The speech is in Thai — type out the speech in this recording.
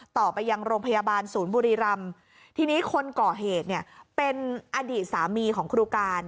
ต่อไปยังโรงพยาบาลศูนย์บุรีรำทีนี้คนก่อเหตุเนี่ยเป็นอดีตสามีของครูการ